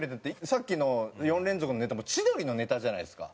さっきの４連続のネタも千鳥のネタじゃないですか。